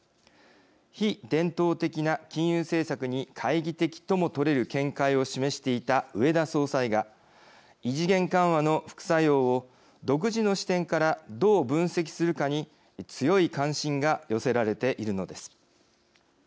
非伝統的な金融政策に懐疑的ともとれる見解を示していた植田総裁が異次元緩和の副作用を独自の視点からどう分析するかに強い関心が寄せられているのです。